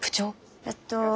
えっと。